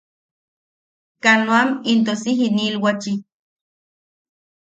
Kanoam into si jinilwachi.